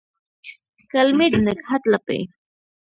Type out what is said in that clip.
کلمې د نګهت لپې